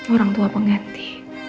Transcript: orang tua pengganti